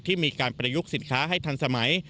ที่มีการประยุกต์สินค้าให้ทันสมัย